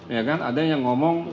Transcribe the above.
ya kan ada yang ngomong